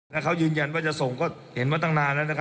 แล้วเขายืนยันว่าจะส่งก็เห็นมาตั้งนานแล้วนะครับ